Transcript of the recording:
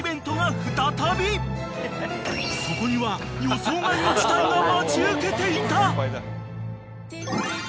［そこには予想外の事態が待ち受けていた］